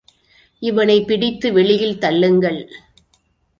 இவனைப் பிடித்து வெளியில் தள்ளுங்கள்.